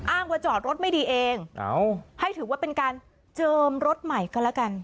ว่าจอดรถไม่ดีเองให้ถือว่าเป็นการเจิมรถใหม่ก็แล้วกัน